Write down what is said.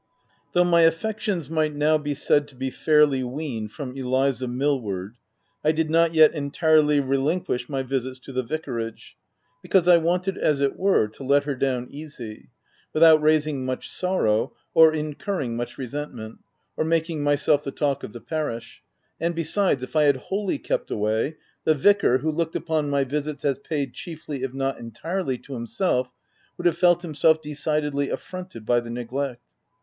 Though my affections might now be said to be fairly weaned from Eliza Mill ward, I did not yet entirely relinquish my visits to the vicarage, because I wanted, as it were, to let her down easy ; without raising much sorrow, or incurring much resentment, — or making myself the talk of the parish ; and besides, if I had wholly kept away, the vicar, who looked upon my visits as paid chiefly, if not entirely to him self, would have felt himself decidedly affronted by the neglect.